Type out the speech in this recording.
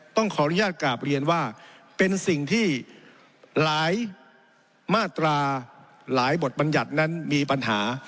ต้องขออนุญาตกราบเรียนว่าเป็นสิ่งที่หลายมาตราหลายบทบัญญัตินั้นมีปัญหา